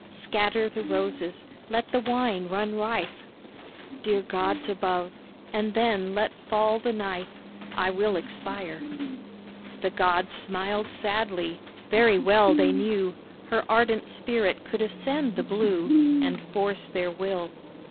Scatter the roses, let the wine run rife Dear Gods above, and then let fall the knife I will expire." The Gods smiled sadly, very well they knew Her ardent spirit could ascend the blue, And force their will.